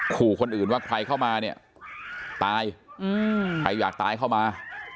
ขู่คนอื่นว่าใครเข้ามาเนี่ยตายใครอยากตายเข้ามา